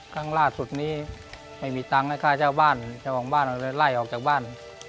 ครั้งลาดสุดนี้ไม่มีตังค์ให้ข้าเจ้าบ้านก็เลยไล่ออกจากบ้าน